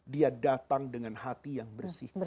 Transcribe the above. dia datang dengan hati yang bersih